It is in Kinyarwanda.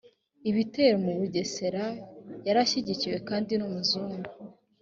ibitero mu bugesera yari ashyigikiwe kandi n umuzungu